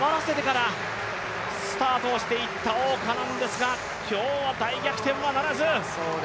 観衆を黙らせてからスタートしていった王嘉男ですが今日は大逆転はならず。